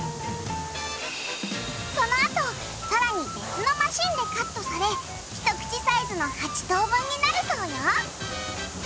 そのあとさらに別のマシンでカットされ一口サイズの８等分になるそうよ。